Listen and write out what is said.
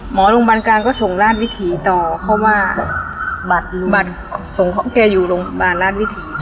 หมอโรงพยาบาลกลางก็ส่งราชวิถีต่อเพราะว่าบัตรส่งของแกอยู่โรงพยาบาลราชวิถี